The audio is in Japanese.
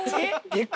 でか！